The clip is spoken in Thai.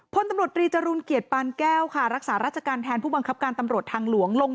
พลตำรวจรีจรูลเกียรติปานแก้วค่ะรักษาราชการแทนผู้บังคับการตำรวจทางหลวงลง